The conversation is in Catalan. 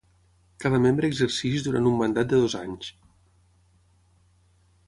Cada membre exerceix durant un mandat de dos anys.